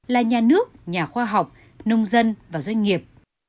là nhà nước nhà khoa học nông dân và doanh nghiệp